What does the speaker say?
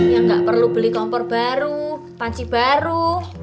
yang nggak perlu beli kompor baru panci baru